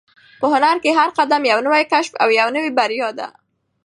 په هنر کې هر قدم یو نوی کشف او یوه نوې بریا ده.